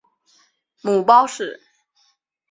母包氏。